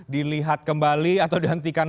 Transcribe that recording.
dilihat kembali atau dihentikan